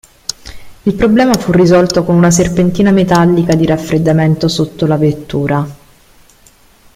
Il problema fu risolto con una serpentina metallica di raffreddamento sotto la vettura.